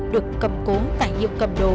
được cầm cố tải hiệu cầm đồ